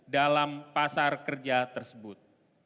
dalam pasar kerja tersebut